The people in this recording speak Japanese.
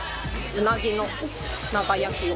うなぎの長焼きを。